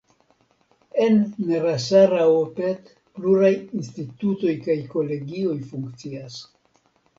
En Narasaraopet pluraj institutoj kaj kolegioj funkcias.